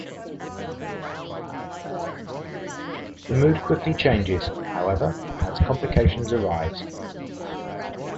The mood quickly changes, however, as complications arise.